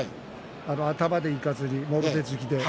頭でいかずに、もろ手突きで。